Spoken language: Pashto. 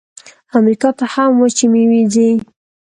امریکا ته هم وچې میوې ځي.